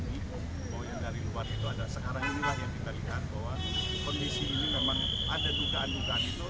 bahwa yang dari luar itu ada sekarang inilah yang kita lihat bahwa kondisi ini memang ada dugaan dugaan itu